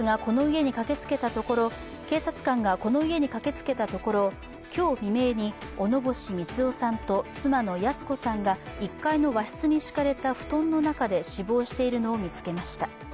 警察官がこの家に駆けつけたところ今日未明に小野星三男さんと妻の泰子さんが１階の和室に敷かれた布団の中で死亡しているのを見つけました。